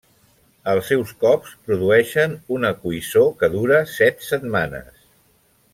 Els seus cops produeixen una coïssor que dura set setmanes.